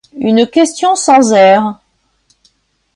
Une question sans r